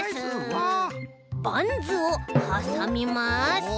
バンズをはさみます。